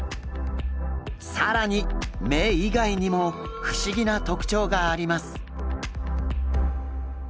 更に目以外にも不思議な特徴があります。